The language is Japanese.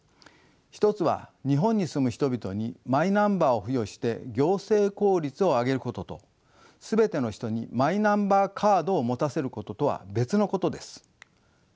１つは日本に住む人々にマイナンバーを付与して行政効率をあげることと全ての人にマイナンバーカードを持たせることとは別のことです。